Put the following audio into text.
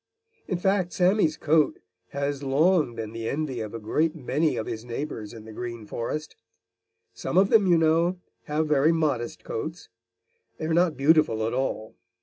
In fact, Sammy's coat has long been the envy of a great many of his neighbors in the Green Forest. Some of them, you know, have very modest coats. They are not beautiful at all.